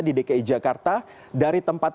di dki jakarta dari tempat